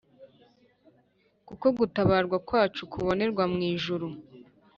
Kuko gutabarwa kwacu kubonerwa mwijuru